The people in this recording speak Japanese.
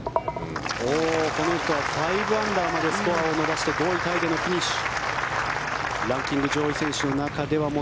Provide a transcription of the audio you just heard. この人は５アンダーまでスコアを伸ばして５位タイでのフィニッシュ。